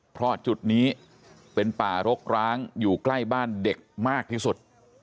เพราะจุดนี้เป็นป่ารกร้างอยู่ใกล้บ้านเด็กมากที่สุด